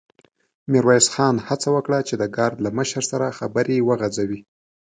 ميرويس خان هڅه وکړه چې د ګارد له مشر سره خبرې وغځوي.